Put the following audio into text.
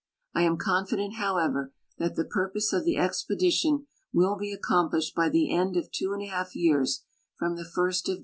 I am confident, however, that the purpo.se of the ex|)cdition will he acc<nnplished hy the end of two and a lialf years from the 1st of